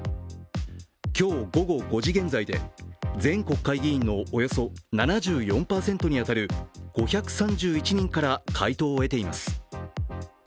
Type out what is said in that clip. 今日午後５時現在で全国会議員のおよそ７４％に当たる５３１人から回答を得ています。